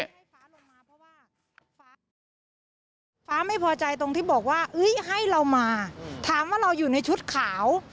ฟ้าไม่พอใจตรงที่บอกว่าเอ้ยให้เรามาถามว่าเราอยู่ในชุดขาว